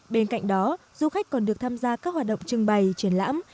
bên cạnh đó du khách còn được tham gia các hoạt động trưng bày triển lãm